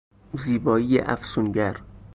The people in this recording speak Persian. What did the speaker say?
زیبایی افسونگر